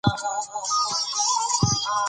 د کتاب لوستلو عادت خپل کړئ.